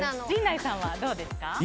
陣内さんは、どうですか？